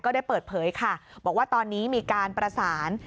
ได้เปิดเผยค่ะบอกว่าตอนนี้มีการประสาน